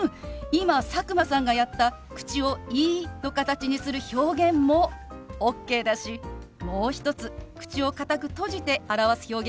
今佐久間さんがやった口を「イー」の形にする表現もＯＫだしもう一つ口を堅く閉じて表す表現もあるのよ。